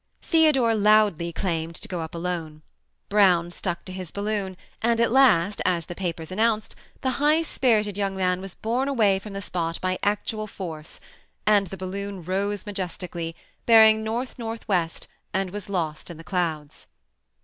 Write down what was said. Theodore loudly claimed to go up alone. Brown stuck to his balloon, and at last. THE SEMI ATTACHED COUPLE. ^ 196 as the papers announced, the high spirited young man was borne away from the spot by actual force, and the balloon rose majestically, bearing north north west, and was lost in the clouds.